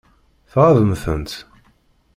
Tɣaḍem-tent?